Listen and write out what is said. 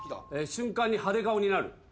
瞬間に派手顔になる。